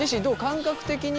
感覚的には？